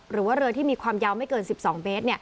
หรือว่าเรือที่มีความยาวไม่เกิน๑๒เมตร